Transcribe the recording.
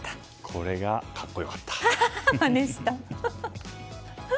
これが格好良かった。